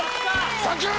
サンキュー！